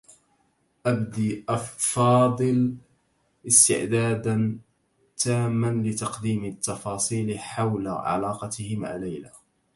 أبدى فاضل استعدادا تامّا لتقديم التّفاصيل حول علاقته مع ليلى.